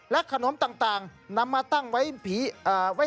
ขนมต่างนำมาตั้งไว้